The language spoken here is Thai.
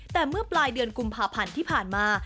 แต่เมื่อปลายเดือนกุมภาพันธ์ที่ผ่านมา